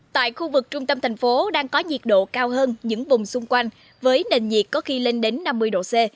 tại khu vực trung tâm thành phố đang có nhiệt độ cao hơn những vùng xung quanh với nền nhiệt có khi lên đến năm mươi độ c